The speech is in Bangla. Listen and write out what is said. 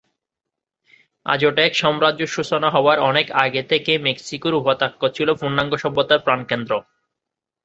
আজটেক সাম্রাজ্য সূচনা হবার অনেক আগে থেকেই মেক্সিকো উপত্যকা ছিল পূর্ণাঙ্গ সভ্যতার প্রাণকেন্দ্র।